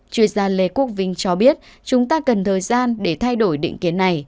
chuyên gia lê quốc vinh cho biết chúng ta cần thời gian để thay đổi định kiến này